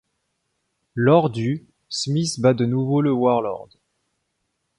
Lors du '', Smith bat de nouveau le Warlord.